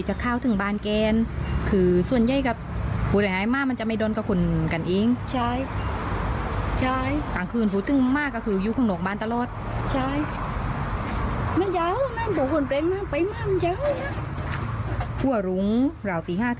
เหล่าปี๕ขึ้นกี่พวกนั้นเราได้ยินมากดังไหมมาก